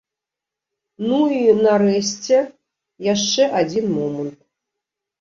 Ну і, нарэшце, яшчэ адзін момант.